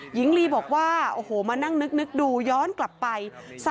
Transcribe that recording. หญิงลีบอกว่าโอ้โหมานั่งนึกดูย้อนกลับไป